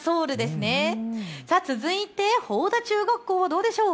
続いて法田中学校はどうでしょう。